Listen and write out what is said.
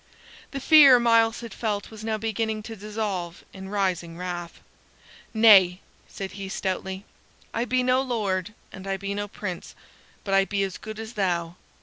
The fear Myles had felt was now beginning to dissolve in rising wrath. "Nay," said he, stoutly, "I be no Lord and I be no Prince, but I be as good as thou.